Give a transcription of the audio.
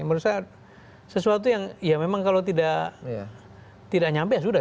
menurut saya sesuatu yang ya memang kalau tidak nyampe sudah tidak nyampe aja saya pun begitu